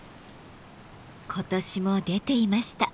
今年も出ていました。